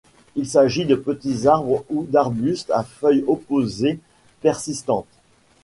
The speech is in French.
Il s'agit de petits arbres ou d'arbustes à feuilles opposées persistantes.